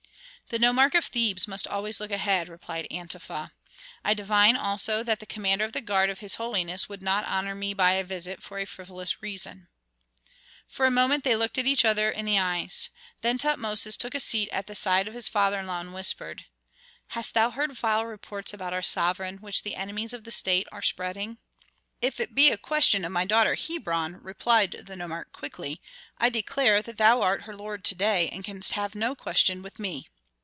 "The nomarch of Thebes must always look ahead," replied Antefa. "I divine also that the commander of the guard of his holiness would not honor me by a visit for a frivolous reason." For a moment they looked each other in the eyes. Then Tutmosis took a seat at the side of his father in law, and whispered, "Hast thou heard vile reports about our sovereign, which the enemies of the state are spreading?" "If it be a question of my daughter Hebron," replied the nomarch quickly, "I declare that thou art her lord to day, and canst have no question with me."